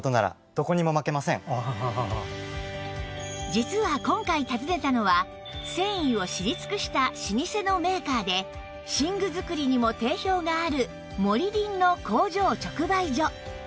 実は今回訪ねたのは繊維を知り尽くした老舗のメーカーで寝具作りにも定評があるモリリンの工場直売所